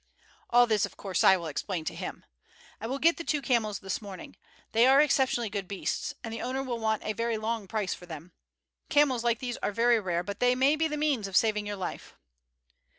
All this of course I will explain to him. I will get the two camels this morning. They are exceptionally good beasts, and the owner will want a very long price for them. Camels like these are very rare, but they may be the means of saving your life."